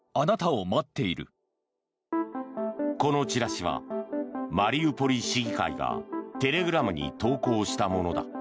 このチラシはマリウポリ市議会がテレグラムに投稿したものだ。